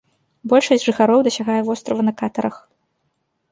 Большасць жыхароў дасягае вострава на катарах.